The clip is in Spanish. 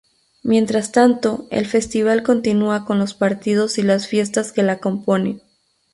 Mientras tanto, el festival continúa con los partidos y las fiestas que la componen.